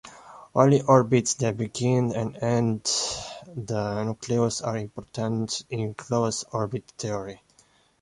Only orbits that begin and end at the nucleus are important in closed-orbit theory.